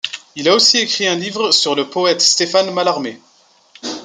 Il a aussi écrit un livre sur le poète Stéphane Mallarmé.